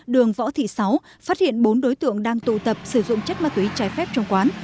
đường võ thị sáu phát hiện bốn đối tượng đang tụ tập sử dụng chất ma túy trái phép trong quán